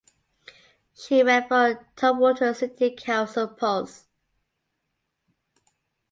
She ran for Tumwater City Council Pos.